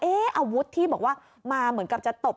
อาวุธที่บอกว่ามาเหมือนกับจะตบ